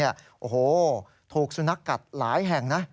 โอ้โหถูกสุนัขกัดหลายแห่งนะ